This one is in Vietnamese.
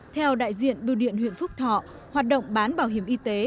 theo đại diện bưu điện huyện phúc thọ hoạt động bán bảo hiểm y tế